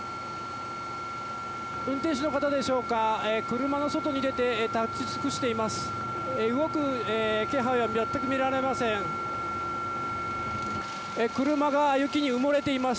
運転手の方でしょうか車の外に出て立ち尽くしています。